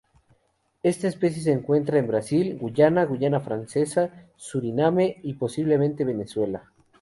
Esta especie se encuentra en Brasil, Guyana, Guyana Francesa, Suriname y posiblemente Venezuela.